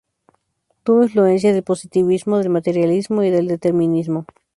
Tuvo influencia del positivismo, del materialismo y del determinismo.